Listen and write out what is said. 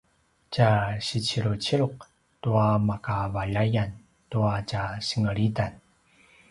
tja siciluciluq tua makavaljayan tua tja singelitan